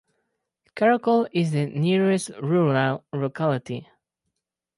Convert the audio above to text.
Karakol is the nearest rural locality.